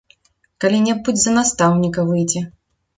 Калі-небудзь за настаўніка выйдзе.